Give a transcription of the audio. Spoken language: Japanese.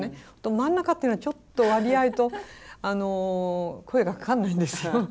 真ん中っていうのはちょっと割合と声がかかんないんですよ。